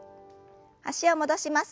脚を戻します。